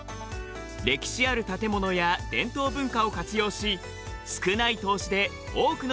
歴史ある建物や伝統文化を活用し少ない投資で多くの収入が見込めるためです。